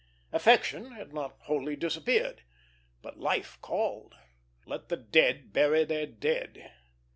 Affection had not wholly disappeared; but life called. Let the dead bury their dead.